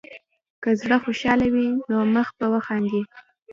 که زړه خوشحال وي، نو مخ به وخاندي.